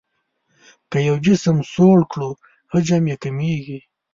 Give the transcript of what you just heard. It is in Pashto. که یو جسم سوړ کړو حجم یې کمیږي.